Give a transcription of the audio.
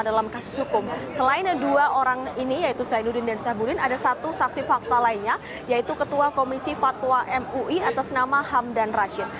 dalam kasus hukum selain dua orang ini yaitu zainuddin dan sahbudin ada satu saksi fakta lainnya yaitu ketua komisi fatwa mui atas nama hamdan rashid